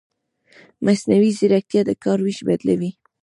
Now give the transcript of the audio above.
مصنوعي ځیرکتیا د کار وېش بدلوي.